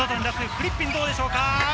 フリッピン、どうでしょうか。